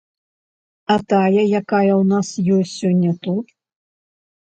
А тая, якая ў нас ёсць сёння тут?